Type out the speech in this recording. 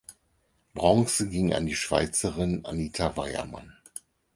Bronze ging an die Schweizerin Anita Weyermann.